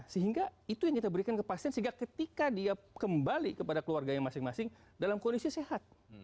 sehingga itu yang kita berikan ke pasien sehingga ketika dia kembali kepada keluarganya masing masing dalam kondisi sehat